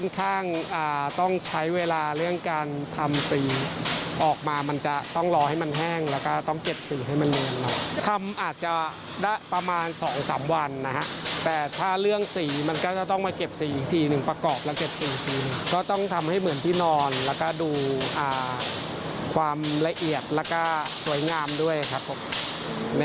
ก็ต้องทำให้เหมือนที่นอนแล้วก็ดูความละเอียดแล้วก็สวยงามด้วยครับครับ